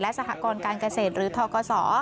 สหกรการเกษตรหรือทกศ